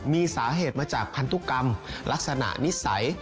มีสาเหตุมาจากพันธุกรรมลักษณะนิสัย